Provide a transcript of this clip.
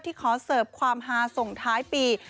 ขอเสิร์ฟความฮาส่งท้ายปี